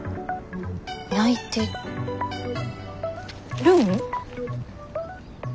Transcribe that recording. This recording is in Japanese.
ないてるん？